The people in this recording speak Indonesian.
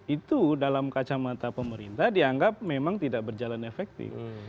itu dalam kacamata pemerintah dianggap memang tidak berjalan efektif